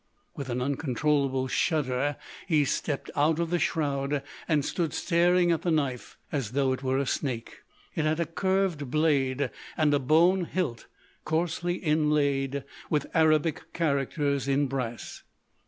With an uncontrollable shudder he stepped out of the shroud and stood staring at the knife as though it were a snake. It had a curved blade and a bone hilt coarsely inlaid with Arabic characters in brass.